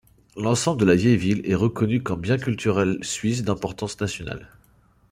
L'ensemble de la vieille ville est reconnue comme bien culturel suisse d'importance nationale.